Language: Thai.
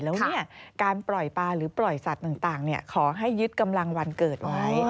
แล้วการปล่อยปลาหรือปล่อยสัตว์ต่างขอให้ยึดกำลังวันเกิดไว้